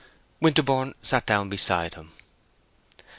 Winterborne sat down beside him.